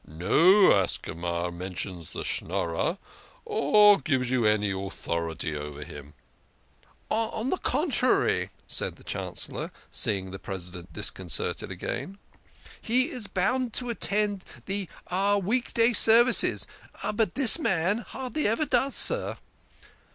No Ascama mentions the Schnorrer, or gives you any authority over him." " On the contrary," said the Chancellor, seeing the Presi dent disconcerted again, " he is bound to attend the week day services. But this man hardly ever does, sir."